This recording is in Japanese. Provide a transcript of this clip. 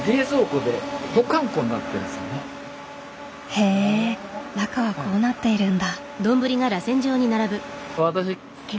へえ中はこうなっているんだ。